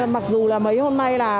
mặc dù là mấy hôm nay là